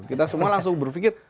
kita semua langsung berpikir